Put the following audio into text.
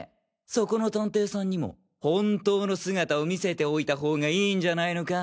そこの探偵さんにも本当の姿を見せておいたほうがいいんじゃないのか？